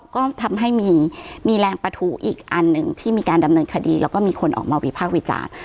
ก็ทำให้มีแรงประทูอีกอันหนึ่งที่มีการดำเนินคดีแล้วก็มีคนออกมาวิพากษ์วิจารณ์